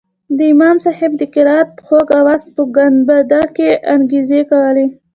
د امام صاحب د قرائت خوږ اواز په ګنبده کښې انګازې کولې.